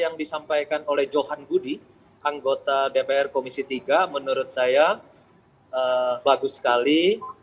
yang disampaikan oleh johan budi anggota dpr komisi tiga menurut saya bagus sekali